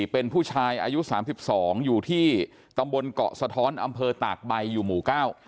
เป็นผู้ชายอายุ๓๒อยู่ที่ตำบลเกาะสะท้อนอำเภอตากใบอยู่หมู่๙